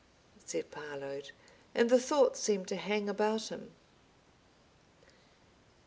said Parload, and the thought seemed to hang about him.